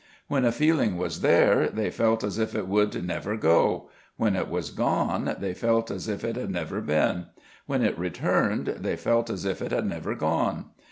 When a feeling was there, they felt as if it would never go; when it was gone, they felt as if it had never been; when it returned, they felt as if it had never gone.